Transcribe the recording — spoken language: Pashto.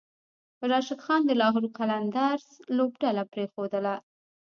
راشد خان د لاهور قلندرز لوبډله پریښودله